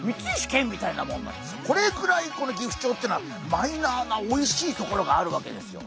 これくらいこのギフチョウっていうのはマイナーなおいしいところがあるわけですよ。